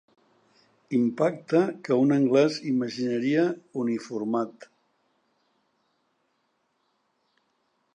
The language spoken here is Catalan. Impacte que un anglès imaginaria uniformat.